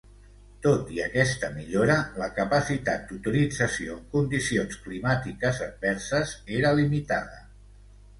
Tot i aquesta millora la capacitat d'utilització en condicions climàtiques adverses era limitada.